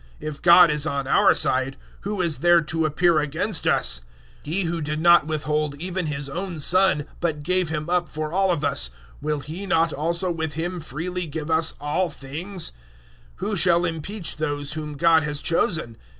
If God is on our side, who is there to appear against us? 008:032 He who did not withhold even His own Son, but gave Him up for all of us, will He not also with Him freely give us all things? 008:033 Who shall impeach those whom God has chosen?